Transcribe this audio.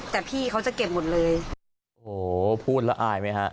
แต่พี่เขาจะเก็บหมดเลยโอ้โหพูดแล้วอายไหมฮะ